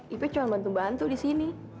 itu cuma bantu bantu di sini